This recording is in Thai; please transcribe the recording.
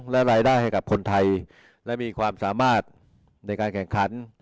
และรายได้ให้กับคนไทยและมีความสามารถในการแข่งขัน